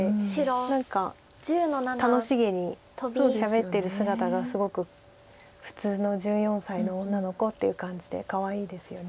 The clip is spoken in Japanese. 何か楽しげにしゃべってる姿がすごく普通の１４歳の女の子っていう感じでかわいいですよね。